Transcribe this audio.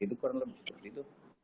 itu kurang lebih seperti itu